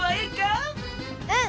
うん！